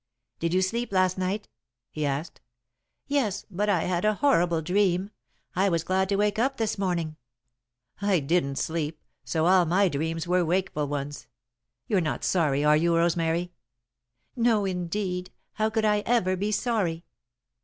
"Did you sleep last night?" he asked. "Yes, but I had a horrible dream. I was glad to wake up this morning." "I didn't sleep, so all my dreams were wakeful ones. You're not sorry, are you, Rosemary?" "No, indeed! How could I ever be sorry?"